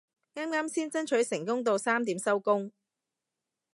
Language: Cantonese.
啱啱先成功爭取到三點收工